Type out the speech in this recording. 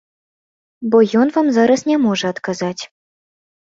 Бо ён вам зараз не можа адказаць.